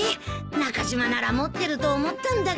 中島なら持ってると思ったんだけどな。